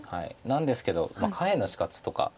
なんですけど下辺の死活とか。